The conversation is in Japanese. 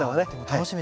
楽しみ。